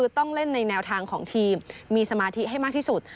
ต้องเล่นในแนวทางของทีมมีสมาธิให้มากที่สุด